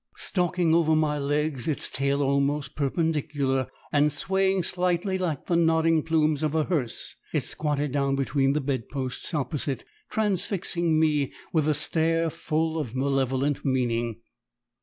Stalking over my legs, its tail almost perpendicular and swaying slightly like the nodding plumes of a hearse, it squatted down between the bedposts opposite, transfixing me with a stare full of malevolent meaning.